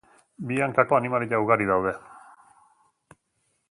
Bi hainkako animalia ugari daude